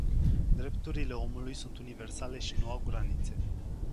Drepturile omului sunt universale și nu au granițe.